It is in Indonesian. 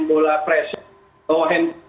bola pres kalau ambil foto sama messi katanya kan